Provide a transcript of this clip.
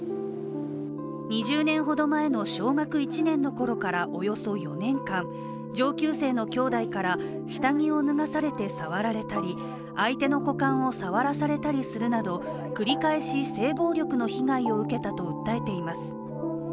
２０年ほど前の小学１年のころから、およそ４年間上級生の兄弟から下着を脱がされて触られたり、相手の股間を触らされたりするなど繰り返し性暴力の被害を受けたと訴えています。